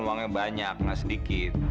uangnya banyak enggak sedikit